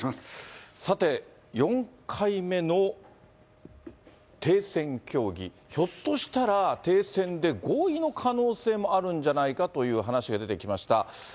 さて、４回目の停戦協議、ひょっとしたら、停戦で合意の可能性もあるんじゃないかという話が出てきました。